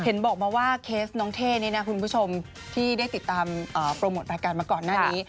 บอกมาว่าเคสน้องเท่นี้นะคุณผู้ชมที่ได้ติดตามโปรโมทรายการมาก่อนหน้านี้